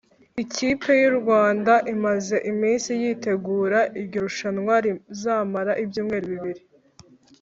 Ikipe y’u Rwanda imaze iminsi yitegura iryo rushanwa rizamara ibyumweru bibiri